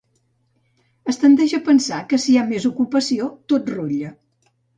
Es tendeix a pensar que si hi ha més ocupació, tot rutlla.